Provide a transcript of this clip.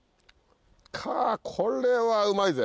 カァこれはうまいぜ。